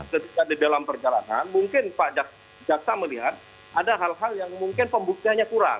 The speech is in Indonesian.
ketika di dalam perjalanan mungkin pak jaksa melihat ada hal hal yang mungkin pembuktiannya kurang